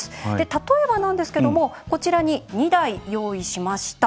例えばなんですけどもこちらに２台用意しました。